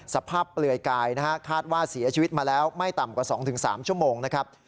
เปลือยกายนะฮะคาดว่าเสียชีวิตมาแล้วไม่ต่ำกว่า๒๓ชั่วโมงนะครับ